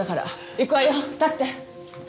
行くわよ立って。